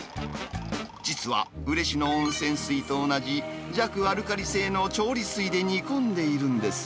実は嬉野温泉水と同じ弱アルカリ性の調理水で煮込んでいるんです。